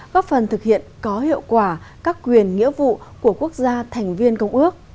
góp phần thực hiện có hiệu quả các quyền nghĩa vụ của quốc gia thành viên công ước